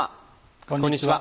こんにちは。